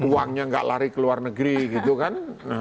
uangnya nggak lari ke luar negeri gitu kan